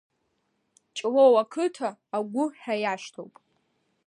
Ҷлоу ақыҭа агәы ҳәа иашьҭоуп.